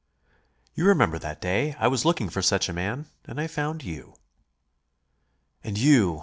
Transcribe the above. "You remember that day. I was looking for such a man, and I found you." "And you